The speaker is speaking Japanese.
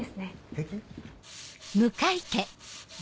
平気？